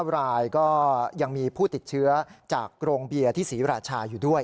รายก็ยังมีผู้ติดเชื้อจากโรงเบียร์ที่ศรีราชาอยู่ด้วย